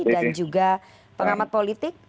dan juga pengamat politik